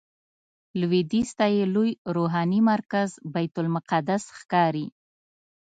لویدیځ ته یې لوی روحاني مرکز بیت المقدس ښکاري.